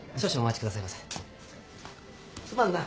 すまんな。